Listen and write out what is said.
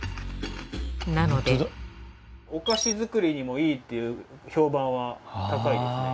なのでお菓子作りにもいいっていう評判は高いですね。